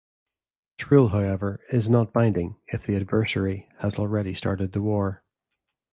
This rule, however, is not binding if the adversary has already started the war.